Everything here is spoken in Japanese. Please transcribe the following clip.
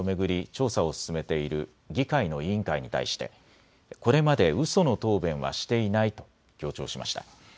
調査を進めている議会の委員会に対してこれまでうその答弁はしていないと強調しました。